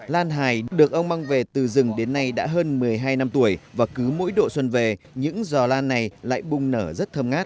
lan hài được ông mang về từ rừng đến nay đã hơn một mươi hai năm tuổi và cứ mỗi độ xuân về những giò lan này lại bung nở rất thơm ngát